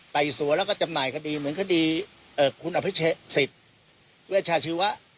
ไต่สวนแล้วก็จำหมายคดีเหมือนคดีเอ่อคุณอภิเชษฐ์วิชาชีวะ